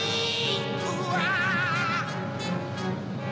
・うわ！